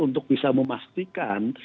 untuk bisa memastikan